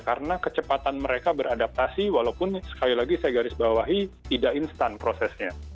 karena kecepatan mereka beradaptasi walaupun sekali lagi saya garis bawahi tidak instan prosesnya